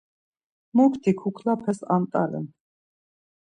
Mukti kuklapes ant̆alen.